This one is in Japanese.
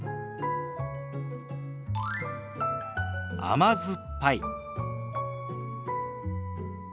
甘酸っぱい。